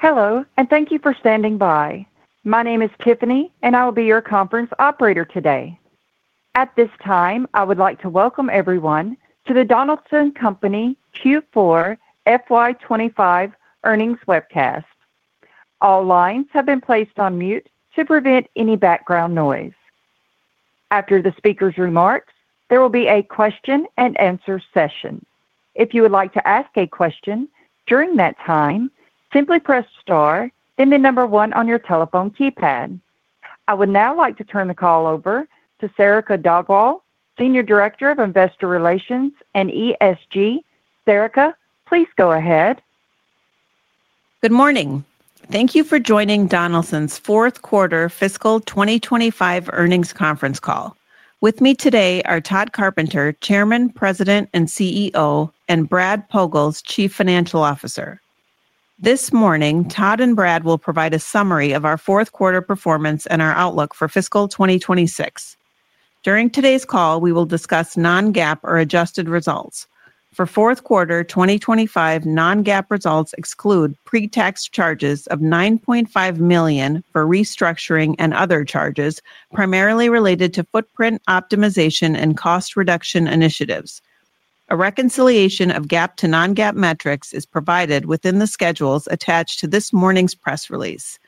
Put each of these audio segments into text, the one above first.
Hello and thank you for standing by. My name is Tiffany and I will be your conference operator today. At this time, I would like to Welcome Everyone to the Donaldson Company Q4 FY25 Earnings Webcast. All lines have been placed on mute. To prevent any background noise. After the Speaker's remarks, there will be a question and answer session. If you would like to ask a question during that time, simply press STAR and the number one on your telephone keypad. I would now like to turn the call over to Sarika Dhadwal, Senior Director of Investor Relations and ESG. Sarika, please go ahead. Good morning. Thank you for joining Donaldson Company's fourth quarter. fiscal 2025 earnings conference call. With me today are Tod E. Carpenter, Chairman. President and CEO and Brad Pogalz, Chief Financial Officer. This morning Tod and Brad will provide a summary of our fourth quarter performance. Our outlook for fiscal 2026. During today's call we will discuss non-GAAP measures. GAAP or adjusted results for fourth quarter 2025. Non-GAAP results exclude pre-tax charges of $9.5 million for restructuring and other charges primarily related to footprint optimization. Cost reduction initiatives. A reconciliation of GAAP to non-GAAP metrics is provided within the schedules attached. To this morning's press release,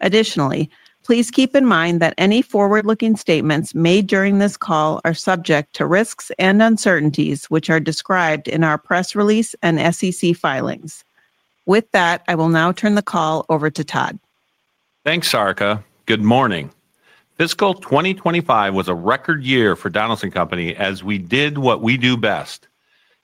additionally, please keep in mind that any forward looking statements made during this call. Are subject to risks and uncertainties, which. Are described in our press release and SEC filings. With that, I will now turn the. Call over to Tod. Thanks, Sarika. Good morning. fiscal 2025 was a record year for Donaldson Company as we did what we do best: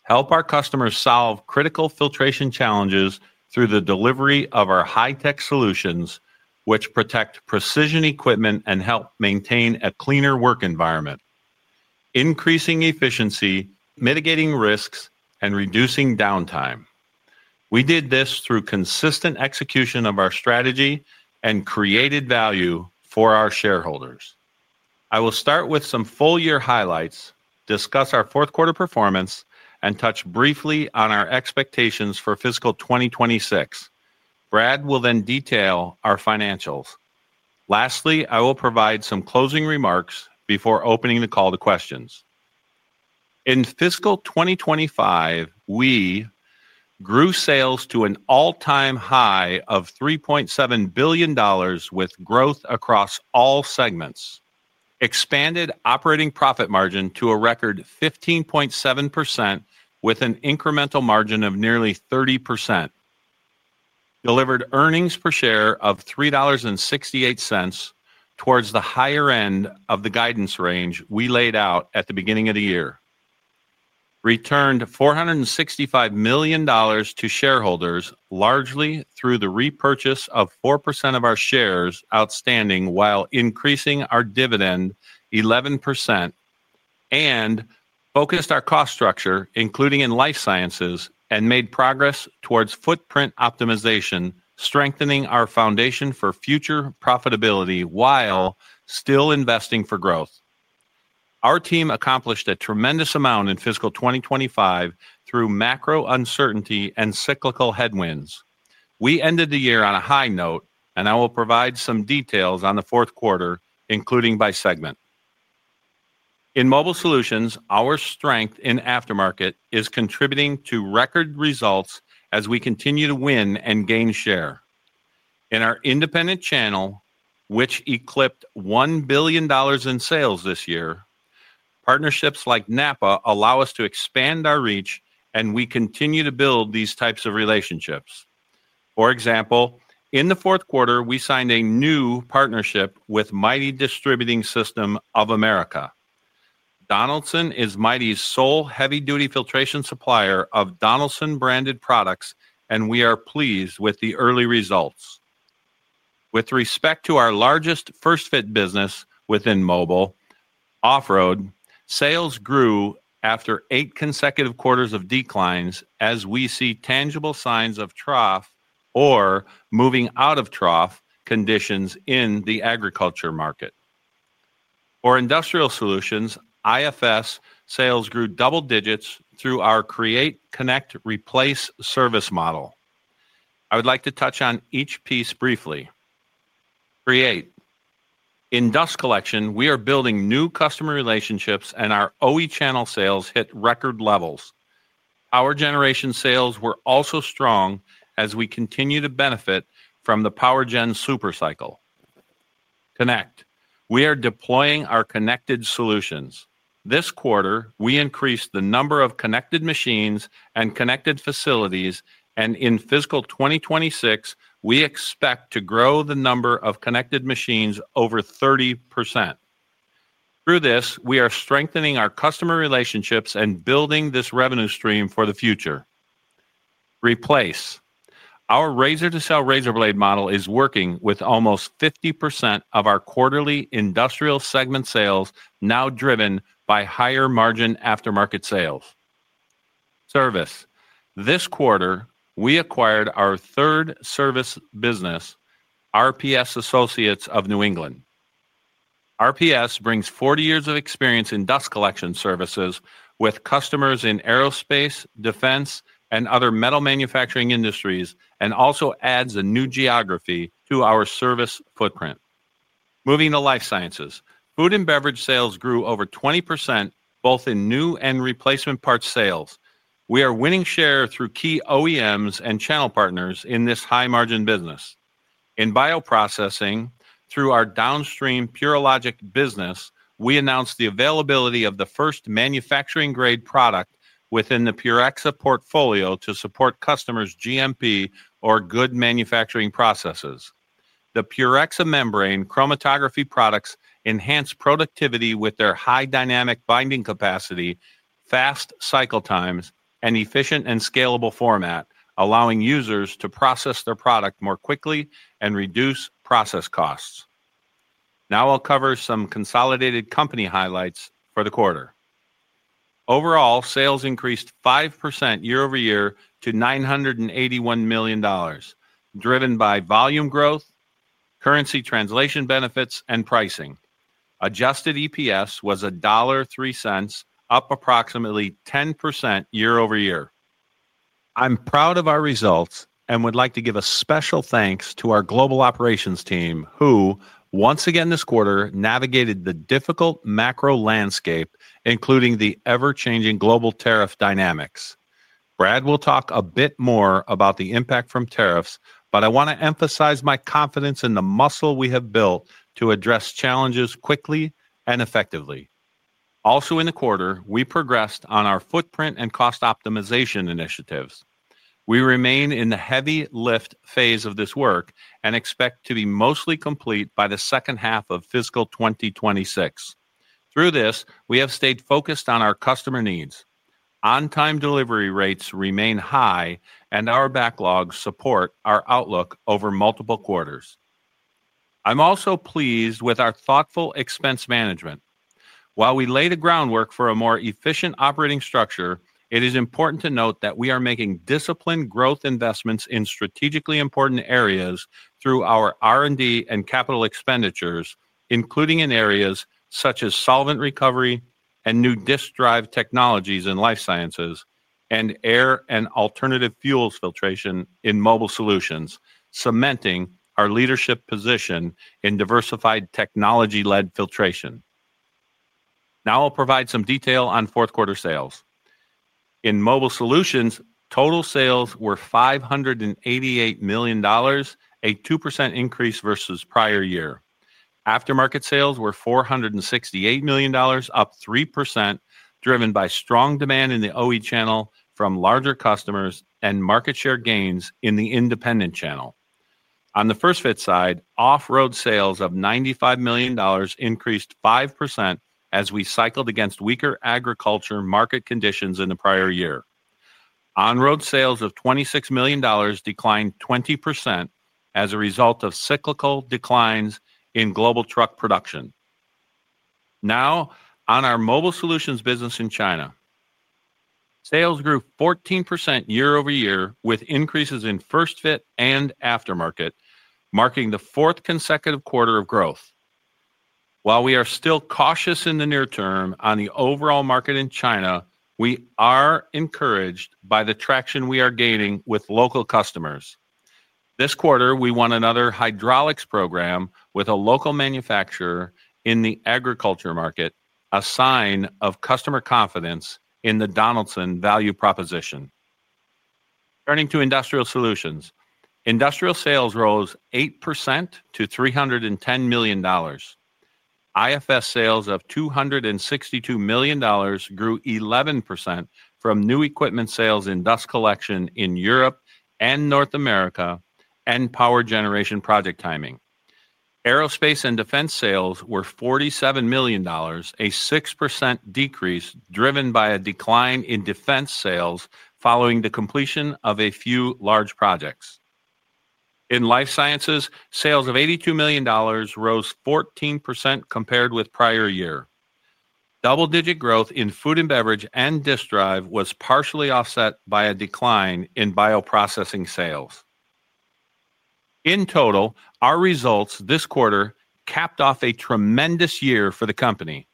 help our customers solve critical filtration challenges through the delivery of our high-tech solutions, which protect precision equipment and help maintain a cleaner work environment, increasing efficiency, mitigating risks, and reducing downtime. We did this through consistent execution of our strategy and created value for our shareholders. I will start with some full-year highlights, discuss our fourth quarter performance, and touch briefly on our expectations for fiscal 2026. Brad will then detail our financials. Lastly, I will provide some closing remarks before opening the call to questions. In fiscal 2025, we grew sales to an all-time high of $3.7 billion with growth across all segments, expanded operating profit margin to a record 15.7% with an incremental margin of nearly 30%, delivered earnings per share of $3.68 towards the higher end of the guidance range we laid out at the beginning of the year, returned $465 million to shareholders largely through the repurchase of 4% of our shares outstanding while increasing our dividend 11%, and focused our cost structure, including in Life Sciences, and made progress towards footprint optimization, strengthening our foundation for future profitability while still investing for growth. Our team accomplished a tremendous amount in fiscal 2025 through macro uncertainty and cyclical headwinds. We ended the year on a high note, and I will provide some details on the fourth quarter, including by segment. In Mobile Solutions, our strength in aftermarket is contributing to record results as we continue to win and gain share in our independent channel, which eclipsed $1 billion in sales this year. Partnerships like NAPA allow us to expand our reach, and we continue to build these types of relationships. For example, in the fourth quarter, we signed a new partnership with Mitei Distributing System of America. Donaldson is Mitei's sole heavy-duty filtration supplier of Donaldson branded products, and we are pleased with the early results. With respect to our largest first fit business within Mobile, off-road sales grew after eight consecutive quarters of declines as we see tangible signs of trough or moving out of trough conditions in the agriculture market. For Industrial solutions, IFS sales grew double digits. Through our Create Connect Replace service model, I would like to touch on each piece briefly. Create in dust collection we are building new customer relationships and our OE channel sales hit record levels. Our generation sales were also strong. As we continue to benefit from the Power Gen Super Cycle connect, we are deploying our connected solutions. This quarter we increased the number of connected machines and connected facilities and in fiscal 2026 we expect to grow the number of connected machines over 30%. Through this we are strengthening our customer relationships and building this revenue stream for the future. Replace our razor-to-sell razor blade aftermarket model is working with almost 50% of our quarterly industrial segment sales now driven by higher margin aftermarket sales service. This quarter we acquired our third service business, RPS Associates of New England. RPS brings 40 years of experience in dust collection services with customers in aerospace, defense, and other metal manufacturing industries and also adds a new geography to our service footprint. Moving to life sciences, food and beverage sales grew over 20% both in new and replacement parts sales. We are winning share through key OEMs and channel partners in this high margin business. In bioprocessing, through our downstream purologic business, we announced the availability of the first manufacturing grade product within the Purexa portfolio to support customers' GMP or good manufacturing processes. The Purexa membrane chromatography products enhance productivity with their high dynamic binding capacity, fast cycle times, and efficient and scalable format, allowing users to process their product more quickly and reduce process costs. Now I'll cover some consolidated company highlights for the quarter. Overall sales increased 5% year-over-year to $981 million, driven by volume growth, currency translation benefits, and pricing. Adjusted EPS was $1.03, up approximately 10% year-over-year. I'm proud of our results and would like to give a special thanks to our global operations team who once again this quarter navigated the difficult macro landscape, including the ever-changing global tariff dynamics. Brad will talk a bit more about the impact from tariffs, but I want to emphasize my confidence in the muscle we have built to address challenges quickly and effectively. Also in the quarter, we progressed on our footprint and cost optimization initiatives. We remain in the heavy lift phase of this work and expect to be mostly complete by the second half of fiscal 2026. Through this we have stayed focused on our customer needs. On-time delivery rates remain high, and our backlogs support our outlook over multiple quarters. I'm also pleased with our thoughtful expense management while we lay the groundwork for a more efficient operating structure. It is important to note that we are making disciplined growth investments in strategically important areas through our R&D and capital expenditures, including in areas such as solvent recovery and new disk drive technologies in life sciences and air and alternative fuels. Filtration in Mobile Solutions is cementing our leadership position in diversified technology-led filtration. Now I'll provide some detail on fourth quarter sales in Mobile Solutions. Total sales were $588 million, a 2% increase versus prior year. Aftermarket sales were $468 million, up 3%, driven by strong demand in the OE channel from larger customers and market share gains in the independent channel. On the first fit side, off-road sales of $95 million increased 5% as we cycled against weaker agriculture market conditions in the prior year. On-road sales of $26 million declined 20% as a result of cyclical declines in global truck production. Now on our Mobile Solutions business in China, sales grew 14% year-over-year with increases in first fit and aftermarket, marking the fourth consecutive quarter of growth. While we are still cautious in the near term on the overall market in China, we are encouraged by the traction we are gaining with local customers. This quarter we won another hydraulics program with a local manufacturer in the agriculture market, a sign of customer confidence in the Donaldson value proposition. Turning to Industrial Solutions, industrial sales rose 8% to $310 million. IFS sales of $262 million grew 11% from new equipment sales in dust collection in Europe and North America and power generation project timing. Aerospace and defense sales were $47 million, a 6% decrease driven by a decline in defense sales following the completion of a few large projects. In Life Sciences, sales of $82 million rose 14% compared with prior year. Double-digit growth in food and beverage and disk drive was partially offset by a decline in bioprocessing sales. In total, our results this quarter capped off a tremendous year for the company.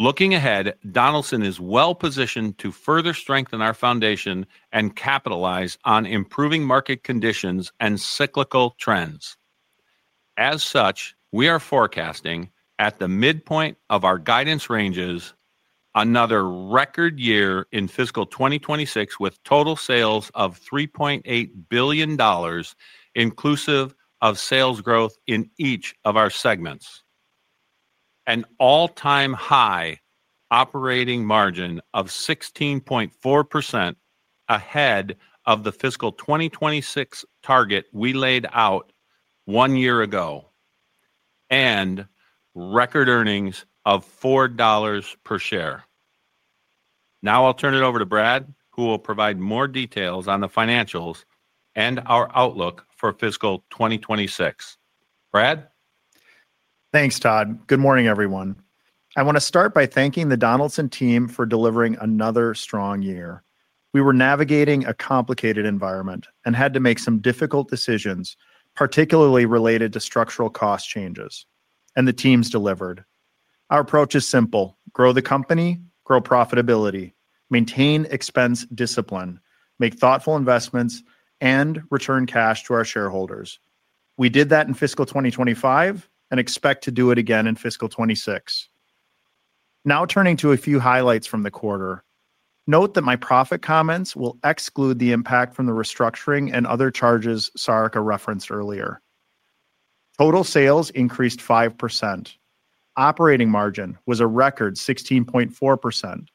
Looking ahead, Donaldson Company is well positioned to further strengthen our foundation and capitalize on improving market conditions and cyclical trends. As such, we are forecasting at the midpoint of our guidance ranges another record year in fiscal 2026 with total sales of $3.8 billion, inclusive of sales growth in each of our segments, an all-time high operating margin of 16.4% ahead of the fiscal 2026 target we laid out one year ago, and record earnings of $4 per share. Now I'll turn it over to Brad, who will provide more details on the financials and our outlook for fiscal 2026. Brad, thanks Tod. Good morning everyone. I want to start by thanking the Donaldson team for delivering another strong year. We were navigating a complicated environment and had to make some difficult decisions, particularly related to structural cost changes, and the teams delivered. Our approach is simple: grow the company, grow profitability, maintain expense discipline, make thoughtful investments, and return cash to our shareholders. We did that in fiscal 2025 and expect to do it again in fiscal 2026. Now turning to a few highlights from the quarter, note that my profit comments will exclude the impact from the restructuring and other charges Sarika referenced earlier. Total sales increased 5%. Operating margin was a record 16.4%,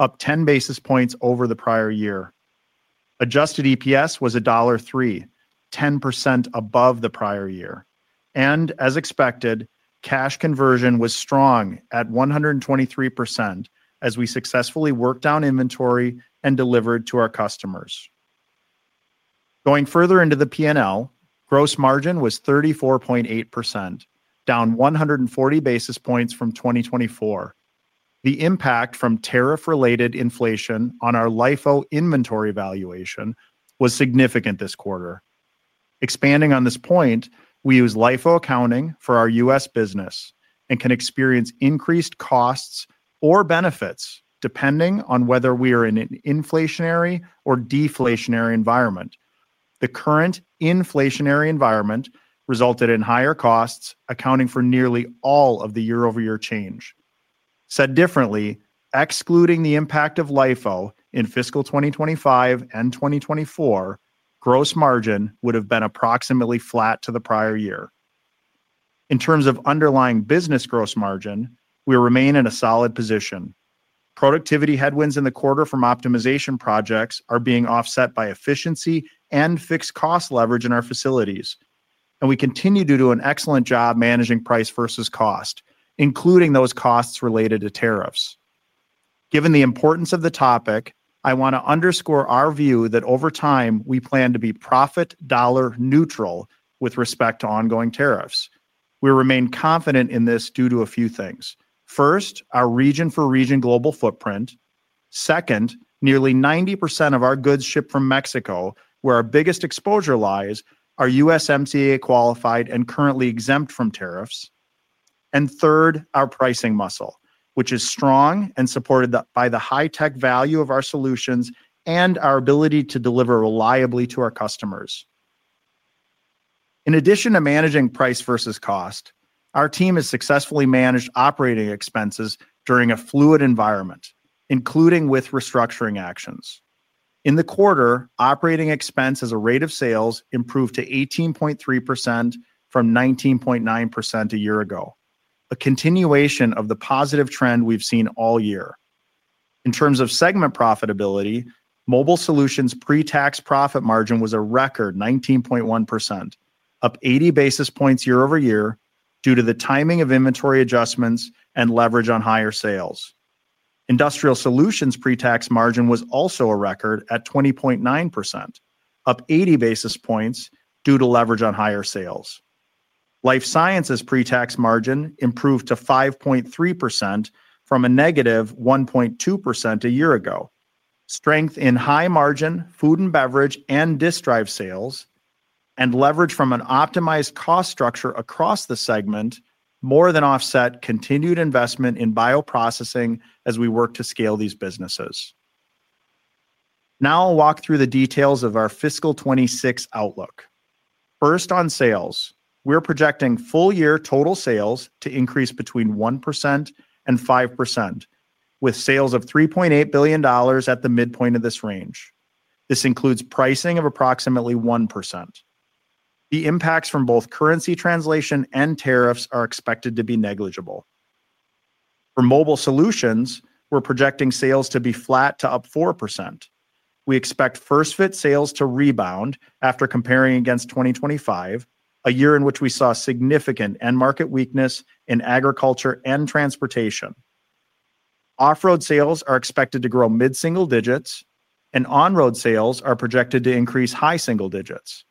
up 10 basis points over the prior year. Adjusted EPS was $1.03, 10% above the prior year, and as expected, cash conversion was strong at 123% as we successfully worked down inventory and delivered to our customers. Going further into the P&L, gross margin was 34.8%, down 140 basis points from 2024. The impact from tariff-related inflation on our LIFO inventory valuation was significant this quarter. Expanding on this point, we use LIFO accounting for our U.S. business and can experience increased costs or benefits depending on whether we are in an inflationary or deflationary environment. The current inflationary environment resulted in higher costs, accounting for nearly all of the year-over-year change. Said differently, excluding the impact of LIFO in fiscal 2025 and 2024, gross margin would have been approximately flat to the prior year. In terms of underlying business gross margin, we remain in a solid position. Productivity headwinds in the quarter from optimization projects are being offset by efficiency and fixed cost leverage in our facilities, and we continue to do an excellent job managing price versus cost, including those costs related to tariffs. Given the importance of the topic, I want to underscore our view that over time we plan to be profit neutral with respect to ongoing tariffs. We remain confident in this due to a few things. First, our region-for-region global footprint. Second, nearly 90% of our goods shipped from Mexico, where our biggest exposure lies, are USMCA qualified and currently exempt from tariffs. Third, our pricing muscle, which is strong and supported by the high-tech value of our solutions and our ability to deliver reliably to our customers. In addition to managing price versus cost, our team has successfully managed operating expenses during a fluid environment, including with restructuring actions in the quarter. Operating expense as a rate of sales improved to 18.3% from 19.9% a year ago, a continuation of the positive trend we've seen all year in terms of segment profitability. Mobile Solutions pre-tax profit margin was a record 19.1%, up 80 basis points year-over-year due to the timing of inventory adjustments and leverage on higher sales. Industrial Solutions pre-tax margin was also a record at 20.9%, up 80 basis points due to leverage on higher sales. Life Sciences pre-tax margin improved to 5.3% from a negative 1.2% a year ago. Strength in high margin food and beverage and disk drive sales and leverage from an optimized cost structure across the segment more than offset continued investment in bioprocessing as we work to scale these businesses. Now I'll walk through the details of our fiscal 2026 outlook. First, on sales, we're projecting full year total sales to increase between 1% and 5%, with sales of $3.8 billion at the midpoint of this range. This includes pricing of approximately 1%. The impacts from both currency translation and tariffs are expected to be negligible. For Mobile Solutions, we're projecting sales to be flat to up 4%. We expect first fit sales to rebound after comparing against 2025, a year in which we saw significant end market weakness in agriculture and transportation. Off-road sales are expected to grow mid single digits and on-road sales are projected to increase high single digits.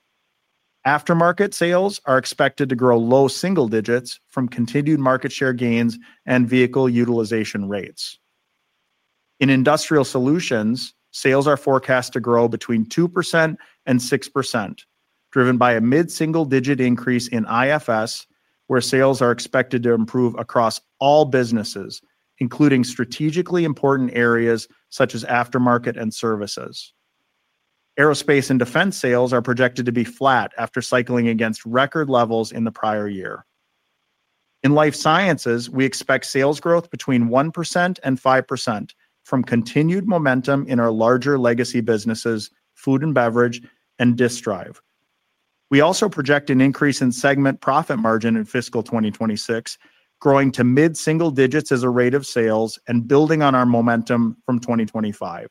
Aftermarket sales are expected to grow low single digits from continued market share gains and vehicle utilization rates. In Industrial Solutions, sales are forecast to grow between 2% and 6% driven by a mid single digit increase. In IFS, where sales are expected to improve across all businesses, including strategically important areas such as aftermarket and services, aerospace and defense sales are projected to be flat after cycling against record levels in the prior year. In Life Sciences, we expect sales growth between 1% and 5% from continued momentum in our larger legacy businesses, food and beverage and disk drive. We also project an increase in segment profit margin in fiscal 2026, growing to mid single digits as a rate of sales and building on our momentum from 2025.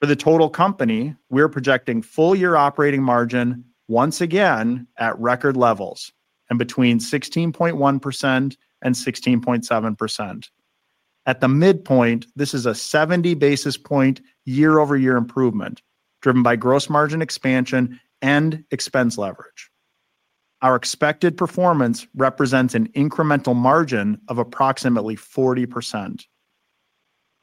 For the total company, we are projecting full year operating margin once again at record levels and between 16.1% and 16.7% at the midpoint. This is a 70 basis point year-over-year improvement driven by gross margin expansion and expense leverage. Our expected performance represents an incremental margin of approximately 40%.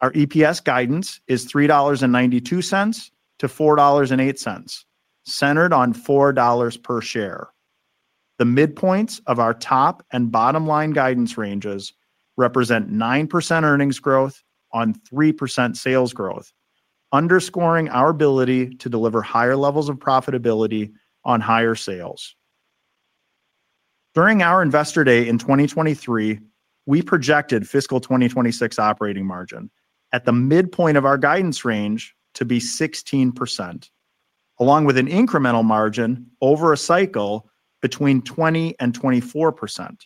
Our EPS guidance is $3.92-$4.08 centered on $4 per share. The midpoints of our top and bottom line guidance ranges represent 9% earnings growth on 3% sales growth, underscoring our ability to deliver higher levels of profitability on higher sales. During our investor day in 2023, we projected fiscal 2026 operating margin at the midpoint of our guidance range to be 16% along with an incremental margin over a cycle between 20% and 24%.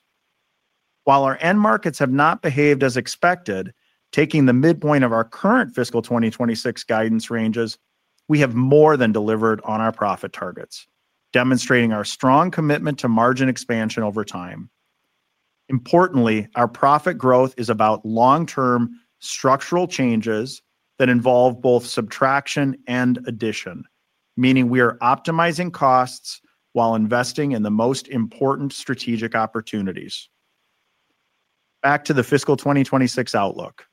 While our end markets have not behaved as expected, taking the midpoint of our current fiscal 2026 guidance ranges, we have more than delivered on our profit targets, demonstrating our strong commitment to margin expansion over time. Importantly, our profit growth is about long term structural changes that involve both subtraction and addition, meaning we are optimizing costs while investing in the most important strategic opportunities. Back to the fiscal 2026 outlook,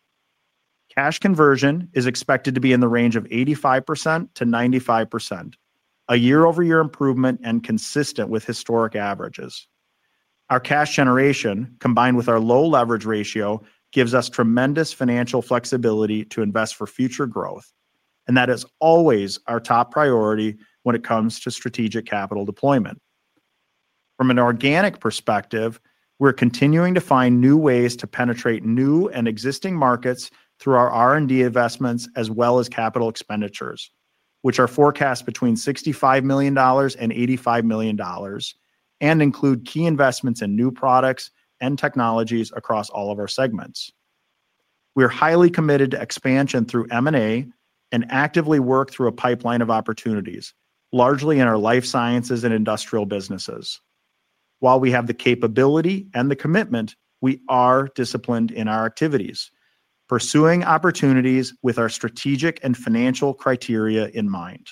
cash conversion is expected to be in the range of 85%-95%, a year-over-year improvement and consistent with historic averages. Our cash generation combined with our low leverage ratio gives us tremendous financial flexibility to invest for future growth, and that is always our top priority when it comes to strategic capital deployment. From an organic perspective, we're continuing to find new ways to penetrate new and existing markets through our R&D investments as well as capital expenditures, which are forecast between $65 million and $85 million and include key investments in new products and technologies across all of our segments. We're highly committed to expansion through M&A and actively work through a pipeline of opportunities largely in our life sciences and industrial businesses. While we have the capability and the commitment, we are disciplined in our activities, pursuing opportunities with our strategic and financial criteria in mind.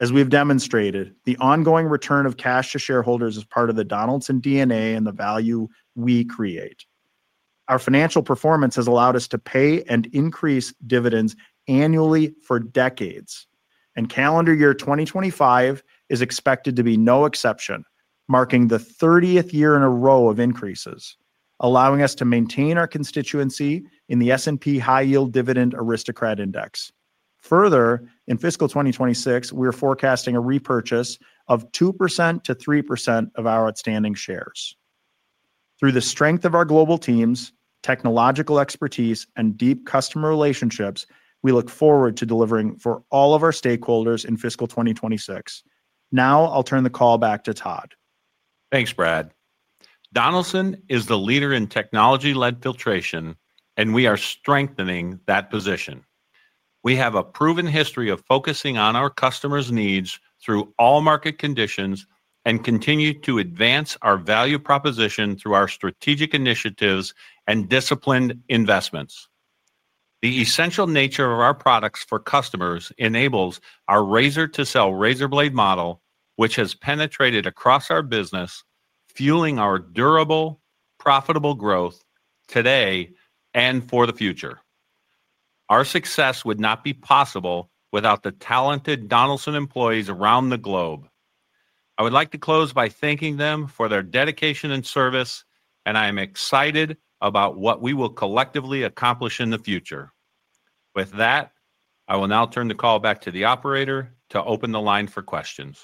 As we've demonstrated, the ongoing return of cash to shareholders is part of the Donaldson DNA and the value we create. Our financial performance has allowed us to pay and increase dividends annually for decades. Calendar year 2025 is expected to be no exception, marking the 30th year in a row of increases, allowing us to maintain our constituency in the S&P High Yield Dividend Aristocrat Index. Further, in fiscal 2026 we are forecasting a repurchase of 2% to 3% of our outstanding shares. Through the strength of our global teams, technological expertise, and deep customer relationships, we look forward to delivering for all of our stakeholders in fiscal 2026. Now I'll turn the call back to Tod. Thanks, Brad. Donaldson Company is the leader in technology-led filtration, and we are strengthening that position. We have a proven history of focusing on our customers' needs through all market conditions and continue to advance our value proposition through our strategic initiatives and disciplined investments. The essential nature of our products for customers enables our razor-to-sell razor blade aftermarket model, which has penetrated across our business, fueling our durable, profitable growth today and for the future. Our success would not be possible without the talented Donaldson Company employees around the globe. I would like to close by thanking them for their dedication and service, and I am excited about what we will collectively accomplish in the future. With that, I will now turn the call back to the operator to open the line for questions.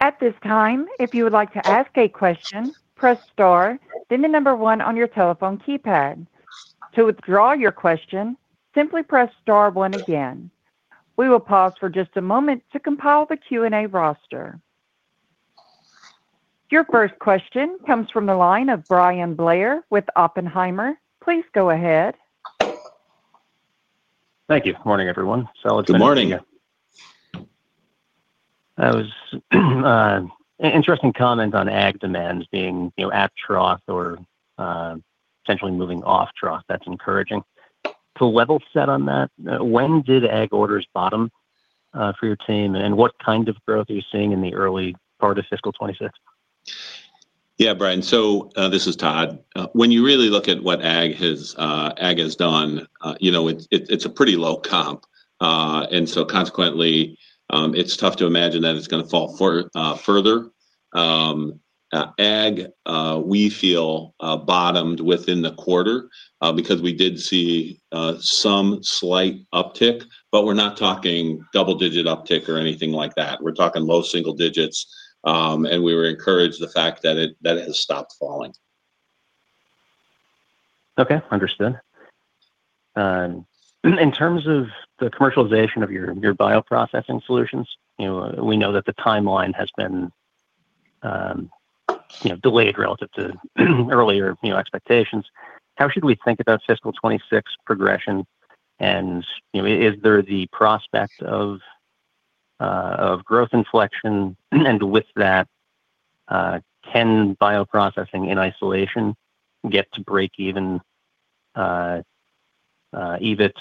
At this time, if you would like to ask a question, press star then the number one on your telephone keypad. To withdraw your question, simply press star one again. We will pause for just a moment to compile the Q and A roster. Your first question comes from the line of Bryan Francis Blair with Oppenheimer. Please go ahead. Thank you. Morning everyone. Good morning. That was interesting comment on AG demand being at trough or essentially moving off trough. That's encouraging to level set on that. When did AG orders bottom for your team, and what kind of growth are you seeing in the early part of fiscal 2026? Yeah, Brian. This is Tod. When you really look at what AG has done, you know it's a pre-low comp, and consequently it's tough to imagine that it's going to fall further. AG, we feel, bottomed within the quarter because we did see some slight uptick. We're not talking double-digit uptick or anything like that. We're talking low single digits, and we were encouraged by the fact that it has stopped falling. Okay, understood. In terms of the commercialization of your bioprocessing solutions, we know that the timeline has been delayed relative to earlier expectations. How should we think about fiscal 2026 progression, and is there the prospect of growth, inflection? With that, can bioprocessing in isolation get to break even EBITs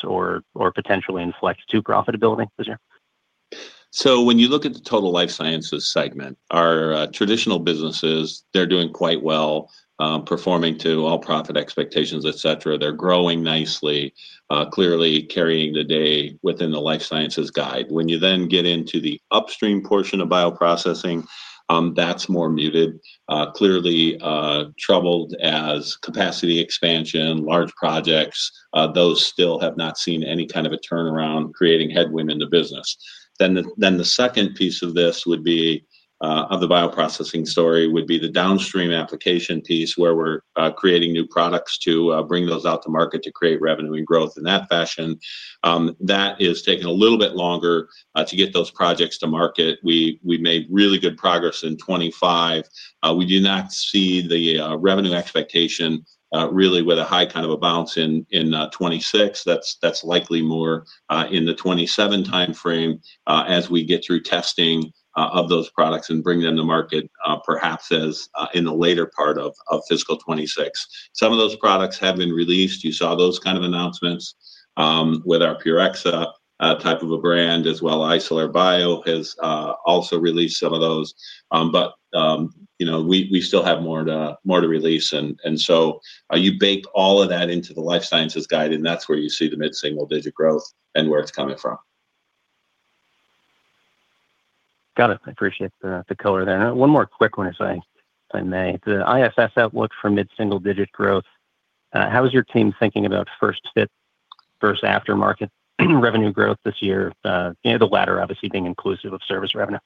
or potentially inflect to profitability? When you look at the total Life Sciences segment, our traditional businesses are doing quite well, performing to all profit expectations, et cetera. They're growing nicely, clearly carrying the day within the Life Sciences guide. When you get into the upstream portion of bioprocessing, that's more muted, clearly troubled as capacity expansion. Large projects still have not seen any kind of a turnaround, creating headwind in the business. The second piece of the bioprocessing story would be the downstream application piece where we're creating new products to bring those out to market to create revenue and growth in that fashion. That is taking a little bit longer to get those projects to market. We made really good progress in 2025. We do not see the revenue expectation really with a high kind of a bounce in 2026. That's likely more in the 2027 time frame as we get through testing of those products and bring them to market, perhaps in the later part of fiscal 2026. Some of those products have been released. You saw those kind of announcements with our Purexa membrane chromatography products as well. Isolar Bio has also released some of those, but we still have more to release. All of that is baked into the Life Sciences guide and that's where you see the mid single digit growth and where it's coming from. Got it. I appreciate the color there. One more quick one as I may. The IFS outlook for mid single digit growth, how is your team thinking about first fit versus aftermarket revenue growth this year, the latter obviously being inclusive of service revenue.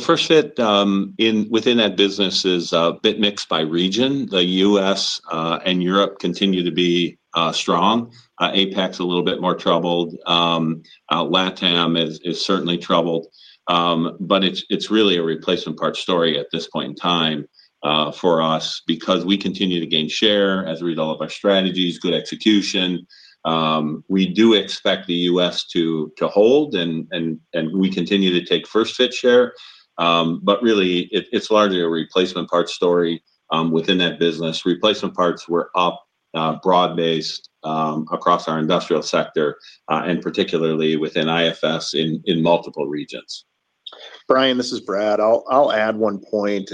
First fit within that business is bit mixed by region. The U.S. and Europe continue to be strong. APAC is a little bit more troubled. LatAm is certainly troubled, but it's really a replacement part story at this point in time for us because we continue to gain share as a result of our strategies and good execution. We do expect the U.S. to hold and we continue to take first fit share, but really it's largely a replacement part story within that business. Replacement parts were up broad-based across our industrial sector and particularly within IFS in multiple regions. Brian, this is Brad. I'll add one point.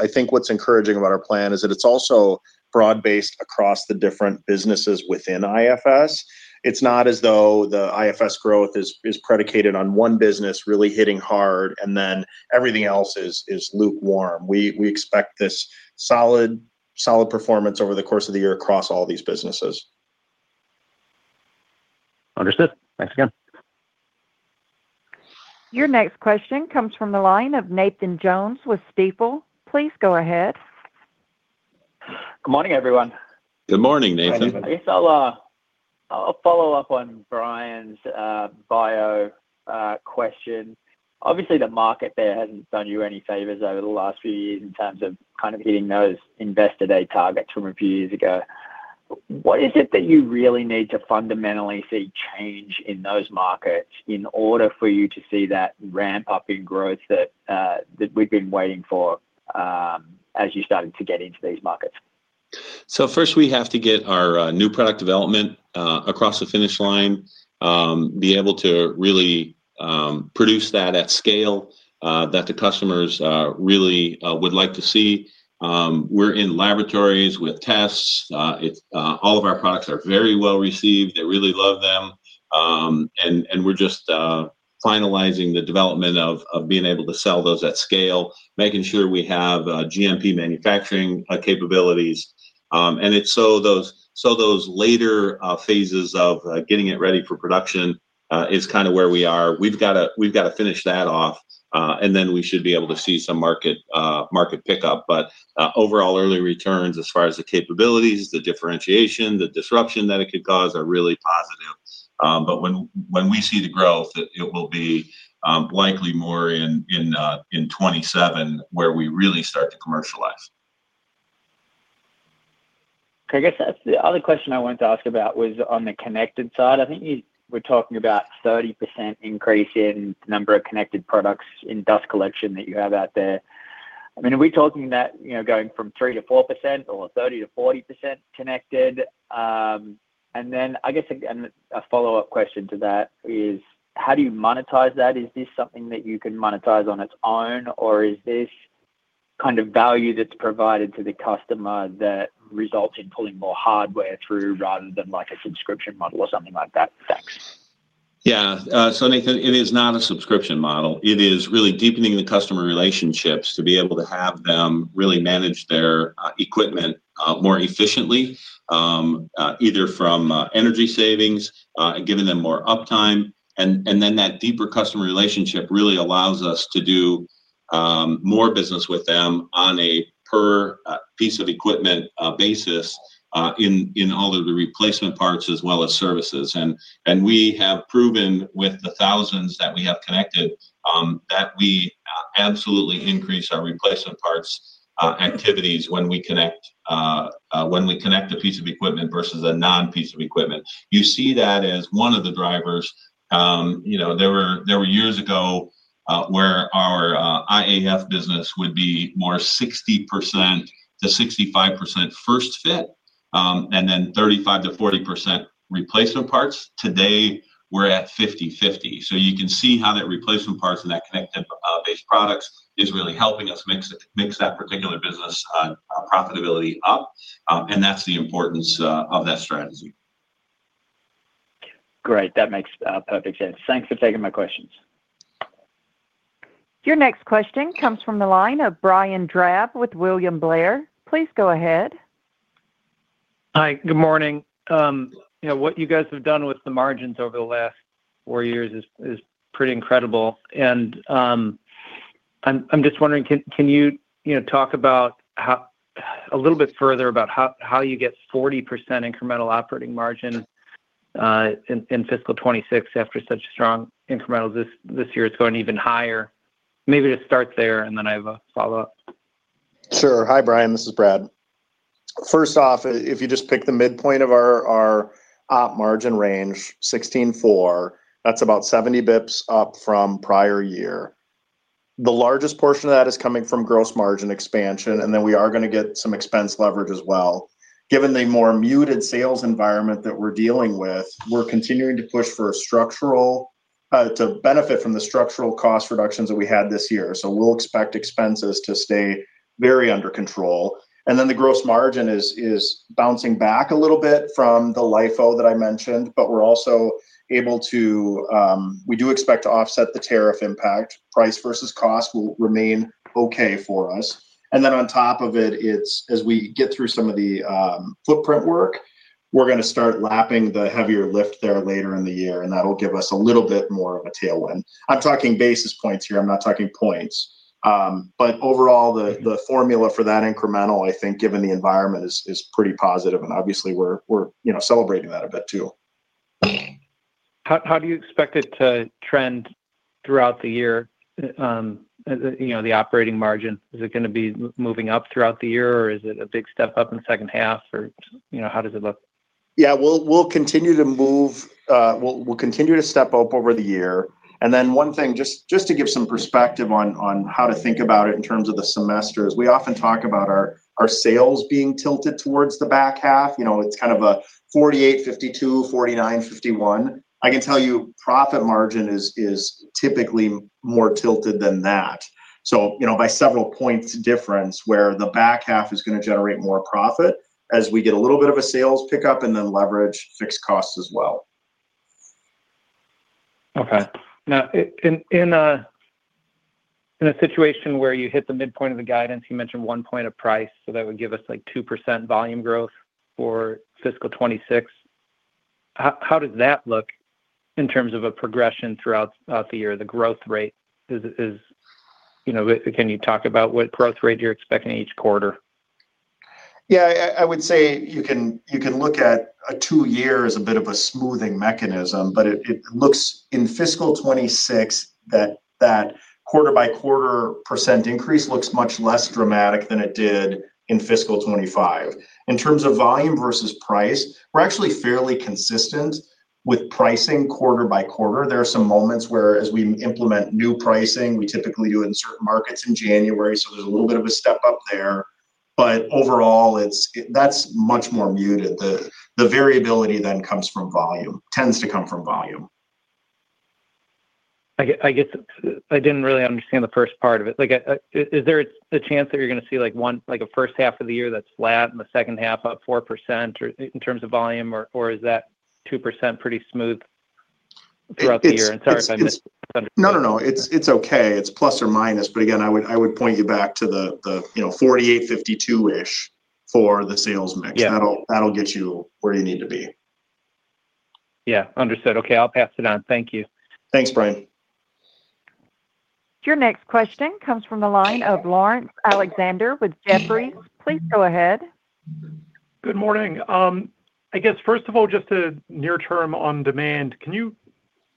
I think what's encouraging about our plan is that it's also broad based across the different businesses within IFS. It's not as though the IFS growth is predicated on one business really hitting hard and everything else is lukewarm. We expect this solid performance over the course of the year across all these businesses. Understood. Thanks again. Your next question comes from the line of Nathan Jones with Stifel. Please go ahead. Good morning, everyone. Good morning, Nathan. I'll follow up on Brian's bio question. Obviously, the market there hasn't done you any favors over the last few years in terms of kind of hitting those investor day targets from a few years ago. What is it that you really need to fundamentally see change in those markets in order for you to see that ramp up in growth that we've been waiting for as you started to get into these markets? First, we have to get our new product development across the finish line, be able to really produce that at scale that the customers really would like to see. We're in laboratories with tests. All of our products are very well received. They really love them. We're just finalizing the development of being able to sell those at scale, making sure we have GMP manufacturing capabilities. Those later phases of getting it ready for production is kind of where we are. We've got to finish that off and then we should be able to see some market pickup. Overall, early returns as far as the capabilities, the differentiation, the disruption that it could cause are really positive. When we see the growth, it will be likely more in 2027, where we really start to commercialize. I guess the other question I wanted to ask about was on the connected side. I think you were talking about 30% increase in number of connected products in dust collection that you have out there. I mean, are we talking that, you know, going from 3% to 4% or 30% to 40% connected? I guess a follow up question to that is how do you monetize that? Is this something that you can monetize on its own or is this kind of value that's provided to the customer that results in pulling more hardware through rather than like a subscription model or something like that? Thanks. Yeah. Nathan, it is not a subscription model. It is really deepening the customer relationships to be able to have them really manage their equipment more efficiently, either from energy savings and giving them more uptime. That deeper customer relationship really allows us to do more business with them on a per piece of equipment basis in all of the replacement parts as well as services. We have proven with the thousands that we have connected that we absolutely increase our replacement parts activities when we connect a piece of equipment versus a non piece of equipment. You see that as one of the drivers. There were years ago where our IFS business would be more 60% to 65% first fit and then 35% to 40% replacement parts. Today we're at 50%/50%. You can see how that replacement parts of that connected based products is really helping us mix that particular business profitability up. That's the importance of that strategy. Great. That makes perfect sense. Thanks for taking my questions. Your next question comes from the line of Brian Drab with William Blair. Please go ahead. Hi, good morning. You know, what you guys have done with the margins over the last four years is pretty incredible. I'm just wondering, can you talk a little bit further about how you get 40% incremental operating margin in fiscal 2026 after such strong incrementals. This year it's going even higher. Maybe just start there and then I have a follow up. Sure. Hi Brian, this is Brad. First off, if you just pick the midpoint of our margin range, 16.4, that's about 70 bps up from prior year. The largest portion of that is coming from gross margin expansion. We are going to get some expense leverage as well given the more muted sales environment that we're dealing with. We're continuing to push to benefit from the structural cost reductions that we had this year. We'll expect expenses to stay very under control. The gross margin is bouncing back a little bit from the LIFO that I mentioned. We're also able to, we do expect to offset the tariff impact. Price versus cost will remain okay for us. On top of it, as we get through some of the footprint work, we're going to start lapping the heavier lift there later in the year and that'll give us a little bit more of a tailwind. I'm talking basis points here, I'm not talking points, but overall the formula for that incremental I think given the environment is pretty positive. Obviously, we're celebrating that a bit too. How do you expect it to trend throughout the year? You know, the operating margin, is it going to be moving up throughout the year or is it a big step up in the second half, or how does it look? Yeah, we'll continue to move, we'll continue to step up over the year. Just to give some perspective on how to think about it in terms of the semester, we often talk about our sales being tilted towards the back half. You know, it's kind of a 48%, 52%, 49%, 51%. I can tell you profit margin is typically more tilted than that, by several points difference, where the back half is going to generate more profit as we get a little bit of a sales pickup and then leverage fixed costs as well. Okay, now in a situation where you hit the midpoint of the guidance, you mentioned one point of price. That would give us like 2% volume growth for fiscal 2026. How does that look in terms of a progression throughout the year? The growth rate is, you know, can you talk about what growth rate you're expecting each quarter? I would say you can look at a two year as a bit of a smoothing mechanism. It looks in fiscal 2026 that quarter by quarter percent increase looks much less dramatic than it did in fiscal 2025. In terms of volume versus price, we're actually fairly consistent with pricing quarter by quarter. There are some moments where as we implement new pricing, we typically do it in certain markets in January, so there's a little bit of a step up there. Overall, that's much more muted. The variability then comes from volume. It tends to come from volume. I guess I didn't really understand the first part of it. Is there a chance that you're going to see, like, one, like a first half of the year that's flat and the second half up 4% in terms of volume, or is that 2% pretty smooth throughout the year? Sorry if I missed. It's okay. It's plus or minus. I would point you back to the 48/52-ish for the sales mix. That'll get you where you need to be. Yeah, understood. Okay, I'll pass it on. Thank you. Thanks, Brian. Your next question comes from the line of Laurence Alexander with Jefferies.Please go ahead. Good morning. I guess first of all, just a near term on demand, can you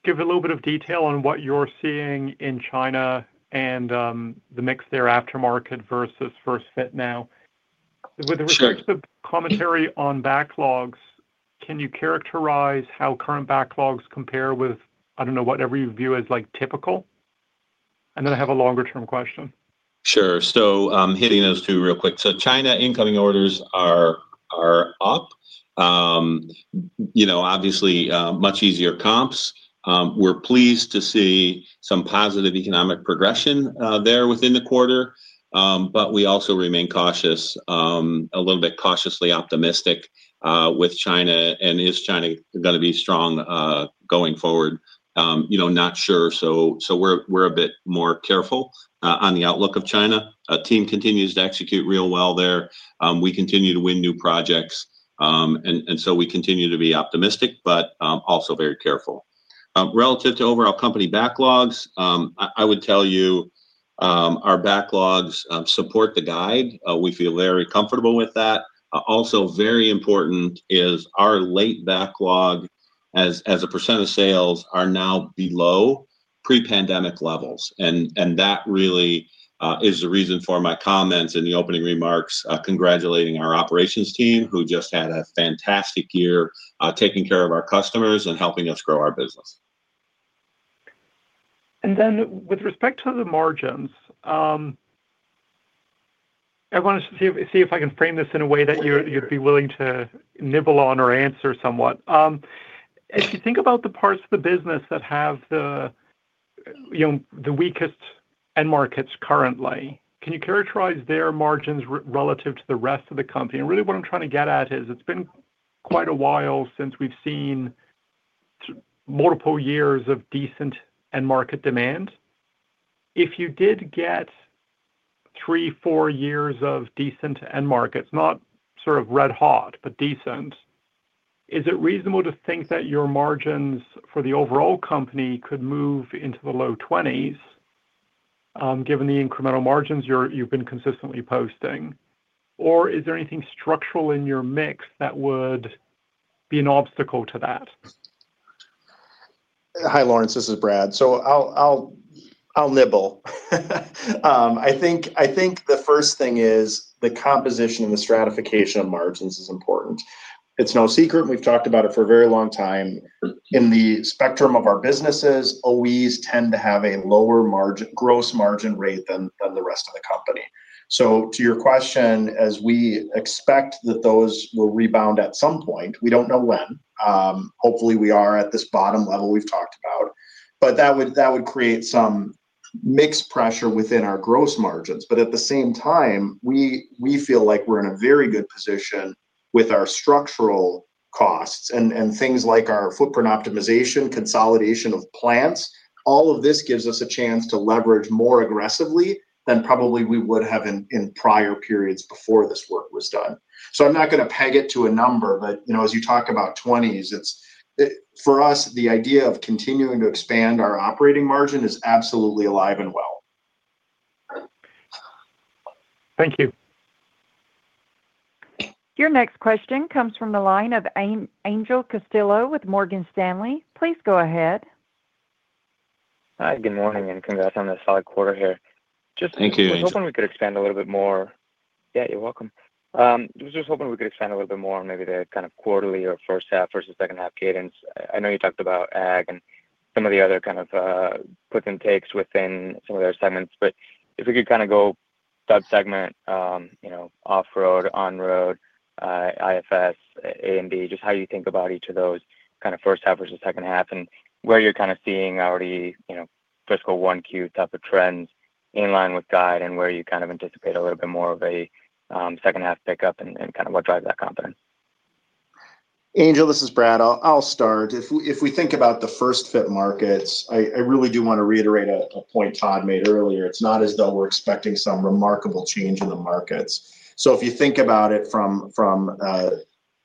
give a little bit of detail on what you're seeing in China and the mix there, aftermarket versus first fit? Now, with respect to commentary on backlogs, can you characterize how current backlogs compare with, I don't know, whatever you view as like typical? I have a longer term question. Sure. Hitting those two real quick. China incoming orders are up, obviously much easier comps. We're pleased to see some positive economic progression there within the quarter. We also remain cautiously optimistic with China. Is China going to be strong going forward? Not sure. We're a bit more careful on the outlook of China. Team continues to execute real well there. We continue to win new projects and we continue to be optimistic but also very careful relative to overall company backlogs. I would tell you our backlogs support the guide. We feel very comfortable with that. Also very important is our late backlog as a percent of sales are now below pre-pandemic levels. That really is the reason for my comments in the opening remarks congratulating our operations team who just had a fantastic year taking care of our customers and helping us grow our business. With respect to the margins, I want to see if I can frame this in a way that you'd be willing to nibble on or answer somewhat. If you think about the parts of the business that have the weakest end markets currently, can you characterize their margins relative to the rest of the company? What I'm trying to get at is it's been quite a while since we've seen multiple years of decent end market demand. If you did get three, four years of decent end markets, not sort of red hot, but decent, is it reasonable to think that your margins for the overall company could move into the low 20% given the incremental margins you've been consistently posting? Is there anything structural in your mix that would be an obstacle to that? Hi Laurence, this is Brad. I'll nibble. I think the first thing is the composition and the stratification of margins is important. It's no secret. We've talked about it for a very long time. In the spectrum of our businesses, OEs tend to have a lower gross margin rate than the rest of the company. To your question, as we expect that those will rebound at some point, we don't know when. Hopefully we are at this bottom level we've talked about, that would create some mix pressure within our gross margins. At the same time, we feel like we're in a very good position with our structural costs and things like our footprint optimization, consolidation of plants. All of this gives us a chance to leverage more aggressively than probably we would have in prior periods before this work was done. I'm not going to peg it to a number. As you talk about twenties, it's for us the idea of continuing to expand our operating margin is absolutely alive and well. Thank you. Your next question comes from the line of Angel Castillo with Morgan Stanley. Please go ahead. Hi, good morning and congrats on the solid quarter here. Just hoping we could expand a little bit more. Yeah, you're welcome. I was just hoping we could expand a little bit more on maybe the kind of quarterly or first half versus second half cadence. I know you talked about AG and some of the other kind of puts and takes within some of those segments. If we could kind of go subsegment, you know, off road, on road, IFS and just how you think about each of those kind of first half versus second half and where you're kind of seeing already fiscal 1Q type of trends in line with guide and where you kind of anticipate a little bit more of a second half pickup and kind of what drives that confidence. Angel, this is Brad. I'll start. If we think about the first fit markets, I really do want to reiterate a point Tod made earlier. It's not as though we're expecting some remarkable change in the markets. If you think about it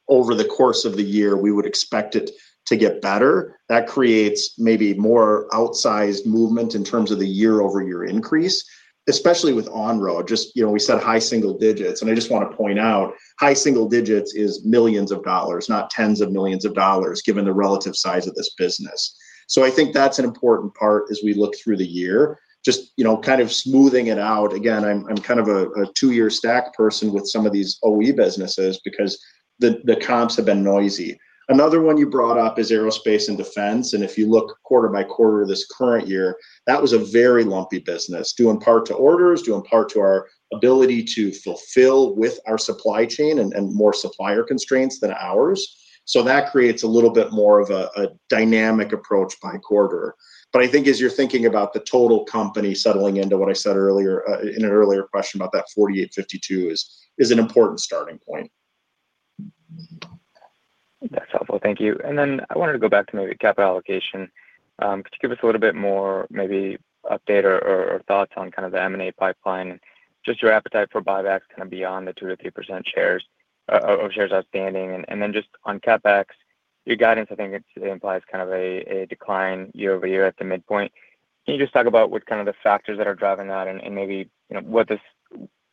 over the course of the year, we would expect it to get better. That creates maybe more outsized movement in terms of the year-over-year increase, especially with on-road. We said high single digits, and I just want to point out high single digits is millions of dollars, not tens of millions of dollars given the relative size of this business. I think that's an important part as we look through the year, just kind of smoothing it out. I'm kind of a two-year stack person with some of these OE businesses because the comps have been noisy. Another one you brought up is aerospace and defense. If you look quarter by quarter this current year, that was a very lumpy business due in part to orders, due in part to our ability to fulfill with our supply chain and more supplier constraints than ours. That creates a little bit more of a dynamic approach by quarter. I think as you're thinking about the total company settling into what I said earlier in an earlier question about that 4852 is an important starting point. That's helpful, thank you. I wanted to go back to maybe capital allocation. Could you give us a little bit more maybe update or thoughts on kind of the M&A pipeline and just your appetite for buybacks kind of beyond the 2 to 3% of shares outstanding. Just on CapEx, your guidance I think implies kind of a decline year-over-year at the midpoint. Can you just talk about what kind of the factors that are driving that and maybe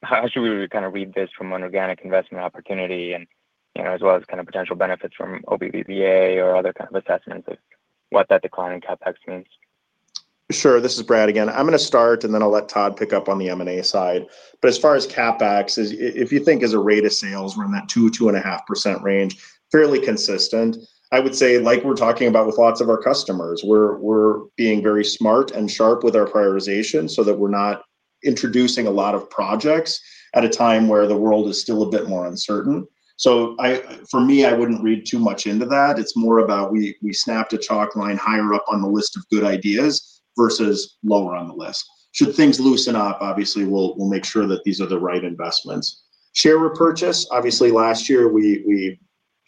how should we kind of read this from an organic investment opportunity and you know as well as kind of potential benefits from OBBVA or other kind of assessments what that decline in CapEx means. Sure. This is Brad again, I'm going to start and then I'll let Tod pick up on the M&A side. As far as CapEx, if you think as a rate of sales, we're in that 2-2.5% range, fairly consistent. I would say like we're talking about with lots of our customers, we're being very smart and sharp with our prioritization so that we're not introducing a lot of projects at a time where the world is still a bit more uncertain. For me, I wouldn't read too much into that. It's more about we snapped a chalk line higher up on the list of good ideas versus lower on the list. Should things loosen up, obviously we'll make sure that these are the right investments. Share repurchase, obviously last year we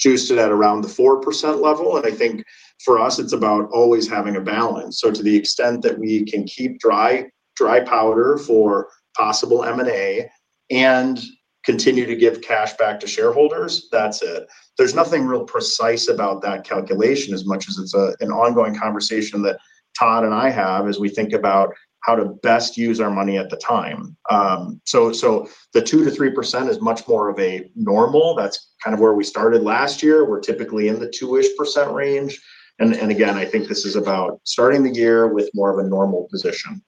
juiced it at around the 4% level and I think for us it's about always having a balance. To the extent that we can keep dry powder for possible M&A and continue to give cash back to shareholders, that's it. There's nothing real precise about that calculation as much as it's an ongoing conversation that Tod and I have as we think about how to best use our money at the time. The 2-3% is much more of a normal. That's kind of where we started last year. We're typically in the 2% range. Again, I think this is about starting the year with more of a normal position.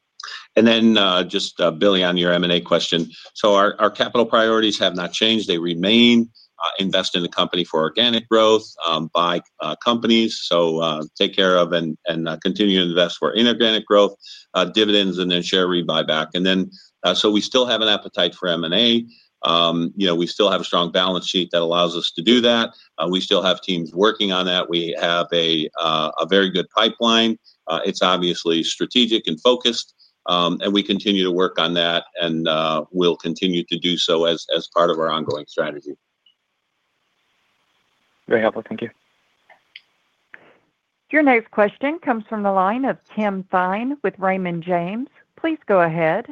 Billy, on your M&A question, our capital priorities have not changed. They remain invest in the company for organic growth, buy companies to take care of and continue to invest for inorganic growth, dividends, and then share buyback. We still have an appetite for M&A. We still have a strong balance sheet that allows us to do that. We still have teams working on that. We have a very good pipeline. It is obviously strategic and focused, and we continue to work on that and will continue to do so as part of our ongoing strategy. Very helpful. Thank you. Your next question comes from the line of Tim Thein with Raymond James. Please go ahead.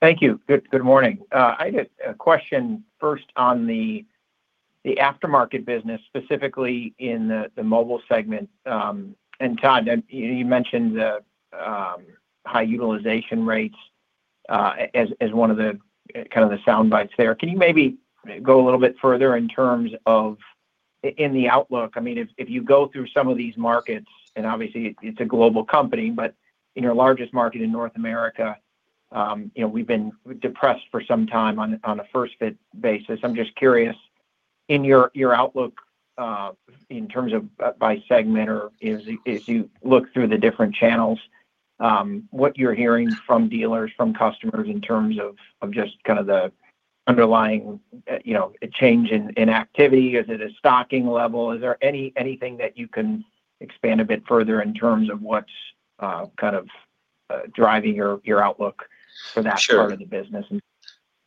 Thank you. Good morning. I did a question first on the aftermarket business, specifically in the mobile segment. Tod, you mentioned the high utilization rates as one of the kind of the sound bites there. Can you maybe go a little bit further in terms of the outlook? I mean if you go through some of these markets and obviously it's a global company, but in your largest market in North America, we've been depressed for some time on a first fit basis. I'm just curious in your outlook in terms of by segment or if you look through the different channels, what you're hearing from dealers, from customers in terms of just kind of the underlying change in activity. Is it a stocking level? Is there anything that you can expand a bit further in terms of what's kind of driving your outlook for that part of the business?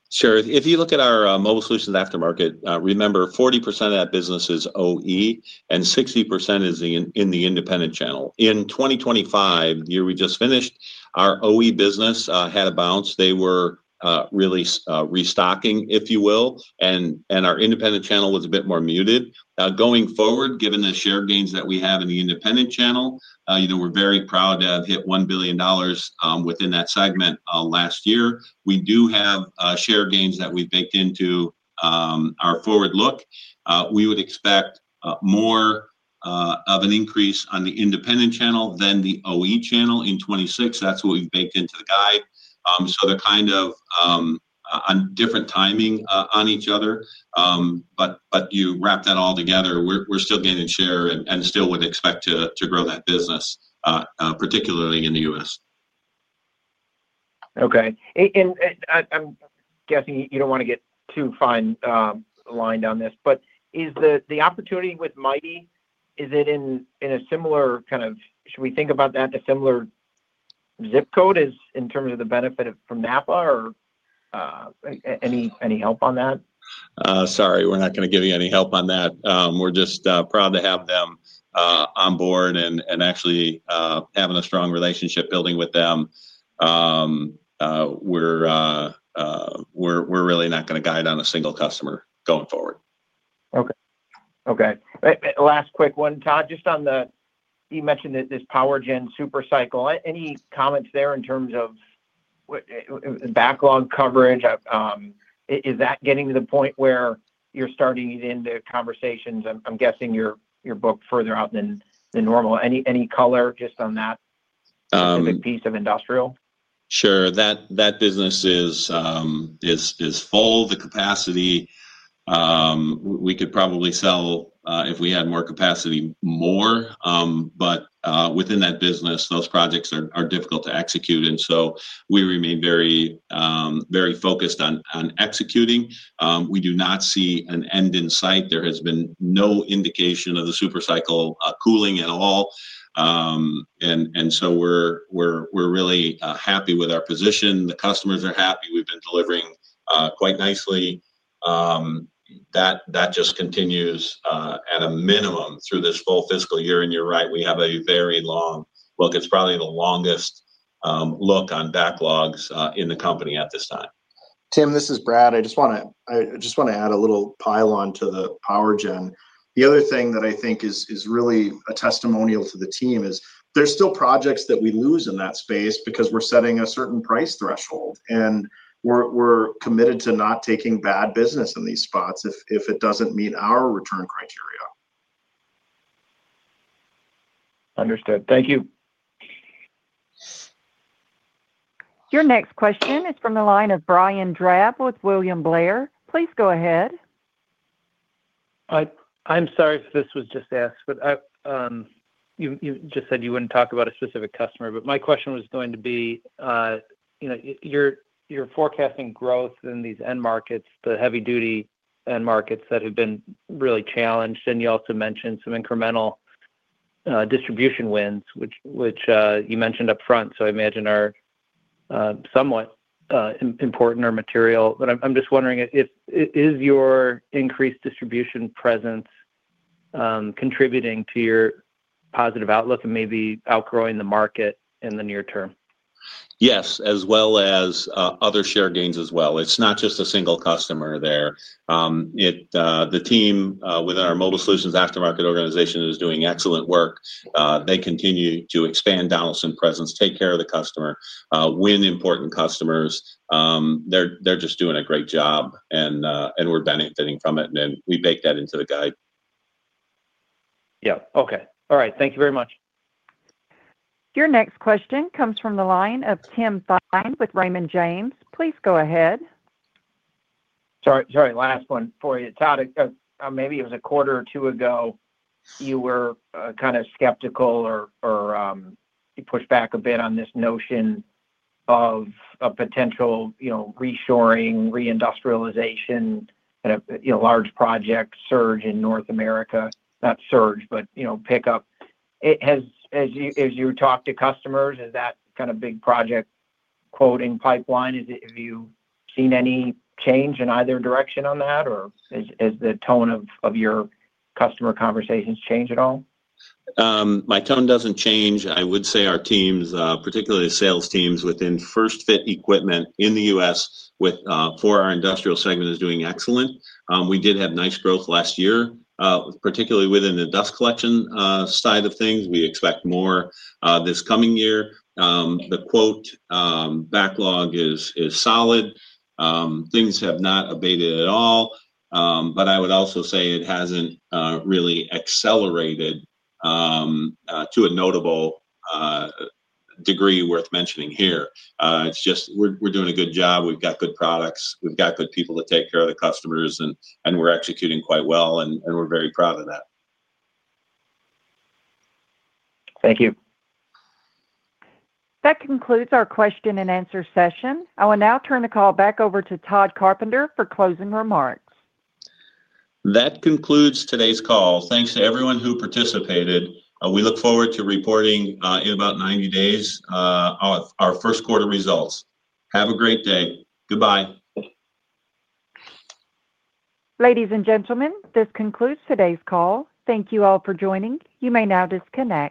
Sure. If you look at our Mobile Solutions aftermarket, remember 40% of that business is OE and 60% is in the independent channel in 2025. We just finished; our OE business had a bounce. They were really restocking, if you will, and our independent channel was a bit more muted. Going forward, given the share gains that we have in the independent channel, we're very proud to have hit $1 billion within that segment last year. We do have share gains that we baked into our forward look. We would expect more of an increase on the independent channel than the OE channel in 2026. That's what we baked into the guide. They're kind of on different timing with each other, but if you wrap that all together, we're still gaining share and still would expect to grow that business, particularly in the U.S. Okay. I'm guessing you don't want to get too fine lined on this, but is the opportunity with Mitei, is it in a similar kind of, should we think about that, a similar zip code in terms of the benefit from Napa or any help on that? Sorry, we're not going to give you any help on that. We're just proud to have them on board and actually having a strong relationship building with them. We're really not going to guide on a single customer going forward. Okay, last quick one, Tod, just on the—you mentioned that this power Gen super cycle. Any comments there in terms of backlog coverage? Is that getting to the point where you're starting into conversations? I'm guessing you're booked further out than normal, any color just on that specific piece of industrial. Sure. That business is full. The capacity we could probably sell if we had more capacity, more. Within that business, those projects are difficult to execute, and we remain very, very focused on executing. We do not see an end in sight. There has been no indication of the super cycle cooling at all. We are really happy with our position. The customers are happy. We've been delivering quite nicely. That just continues at a minimum through this full fiscal year. You're right, we have a very long look. It's probably the longest look on backlogs in the company at this time. Tim, this is Brad. I just want to add a little pile on to the power gen. The other thing that I think is really a testimonial to the team is there's still projects that we lose in that space because we're setting a certain price threshold, and we're committed to not taking bad business in these spots if it doesn't meet our return criteria. Understood, thank you. Your next question is from the line of Brian Drab with William Blair. Please go ahead. I'm sorry if this was just asked, but you just said you wouldn't talk about a specific customer. My question was going to be, you know, you're forecasting growth in these end markets, the heavy duty end markets that have been really challenged. You also mentioned some incremental distribution wins which you mentioned up front. I imagine are somewhat important or material. I'm just wondering, is your increased distribution presence contributing to your positive outlook and maybe outgrowing the market in the near term? Yes. As well as other share gains as well. It's not just a single customer there, the team with our mobile solutions aftermarket organization is doing excellent work. They continue to expand Donaldson Company presence, take care of the customer, win important customers. They're just doing a great job and we're benefiting from it. We bake that into the guide. Thank you very much. Your next question comes from the line of Tim Thein with Raymond James. Please go ahead. Sorry, last one for you, Tod. Maybe it was a quarter or two ago you were kind of skeptical or you pushed back a bit on this notion of a potential reshoring reindustrialization, large project surge in North America. Not surge, but you know, pick up as you talk to customers. Is that kind of big project quoting pipeline, is it? Have you seen any change in either direction on that or has the tone of your customer conversations changed at all? My tone doesn't change. I would say our teams, particularly sales teams within First Fit Equipment in the U.S. for our industrial segment, are doing excellent. We did have nice growth last year, particularly within the dust collection side of things. We expect more this coming year. The quote backlog is solid. Things have not abated at all. I would also say it hasn't really accelerated to a notable degree worth mentioning here. It's just we're doing a good job. We've got good products. We've got good people to take care of the customers, and we're executing quite well, and we're very proud of that. Thank you. That concludes our question and answer session. I will now turn the call back over to Tod Carpenter for closing remarks. That concludes today's call. Thanks to everyone who participated. We look forward to reporting in about 90 days, our first quarter results. Have a great day. Goodbye. Ladies and gentlemen, this concludes today's call. Thank you all for joining. You may now disconnect.